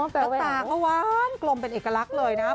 ตาขวานกลมเป็นเอกลักษณ์เลยนะครับ